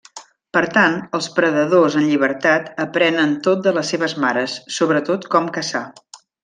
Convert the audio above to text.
Per tant, els predadors en llibertat aprenen tot de les seves mares, sobretot com caçar.